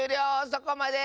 そこまで！